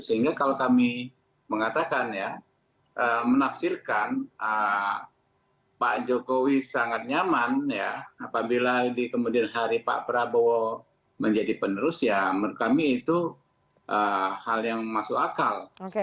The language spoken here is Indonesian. sehingga kalau kami mengatakan ya menafsirkan pak jokowi sangat nyaman ya apabila di kemudian hari pak prabowo menjadi penerus ya menurut kami itu hal yang masuk akal